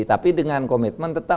tapi dengan komitmen tetap